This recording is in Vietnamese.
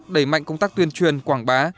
đẩy mạnh công tác tuyên truyền quảng bá